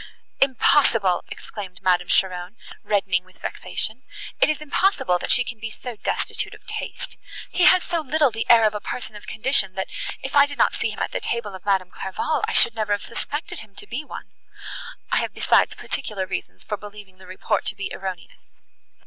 "Impossible!" exclaimed Madame Cheron, reddening with vexation, "it is impossible that she can be so destitute of taste; he has so little the air of a person of condition, that, if I did not see him at the table of Madame Clairval, I should never have suspected him to be one. I have besides particular reasons for believing the report to be erroneous."